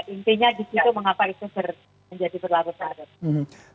intinya di situ mengapa itu terjadi berlaku saat ini